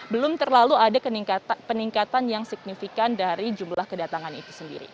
belum terlalu ada peningkatan yang signifikan dari jumlah kedatangan itu sendiri